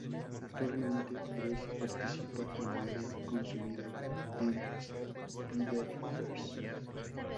Actualmente Bruce participa y muere consumido en Spider-Verse.